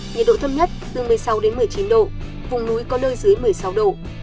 nhiệt độ thấp nhất từ một mươi sáu đến một mươi chín độ vùng núi có nơi dưới một mươi sáu độ